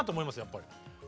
やっぱり。